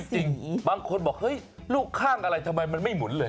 ไม่จริงสักคนบอกเห้ยลูกค้างอะไรมากทำไมมันไม่หมุนเลย